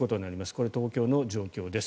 これは東京の状況です。